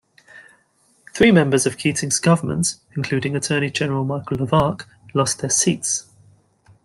Three members of Keating's government-including Attorney-General Michael Lavarch -lost their seats.